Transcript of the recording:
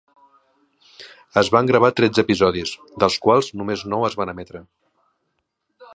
Es van gravar tretze episodis, dels quals només nou es van emetre.